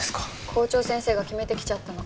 校長先生が決めてきちゃったの。